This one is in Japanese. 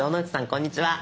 こんにちは。